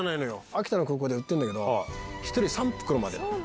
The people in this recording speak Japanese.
秋田の高校で売ってるんだけど、１人３袋まで。